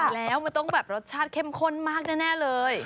แล้วมันต้องแบบรสชาติเข้มข้นมากแน่เลย